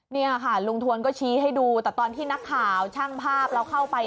นี่ค่ะลุงทวนก็ชี้ให้ดูแต่ตอนที่นักข่าวช่างภาพเราเข้าไป